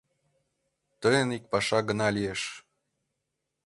— Тыйын ик паша гына лиеш.